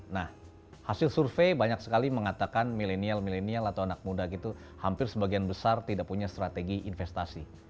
nah hasil survei banyak sekali mengatakan milenial milenial atau anak muda gitu hampir sebagian besar tidak punya strategi investasi